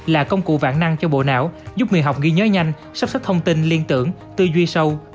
là công cụ vạn năng cho bộ não giúp người học ghi nhớ nhanh sắp xếp thông tin liên tưởng tư duy sâu